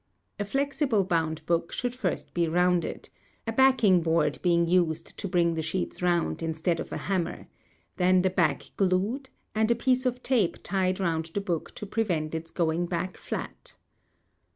A flexible bound book should first be rounded, a backing board being used to bring the sheets round instead of a hammer, then the back glued, and a piece of tape tied round the book to prevent its going back flat.